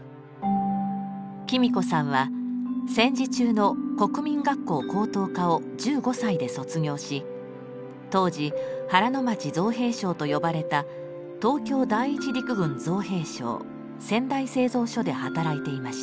喜美子さんは戦時中の国民学校高等科を１５歳で卒業し当時原町造兵廠と呼ばれた東京第一陸軍造兵廠仙台製造所で働いていました。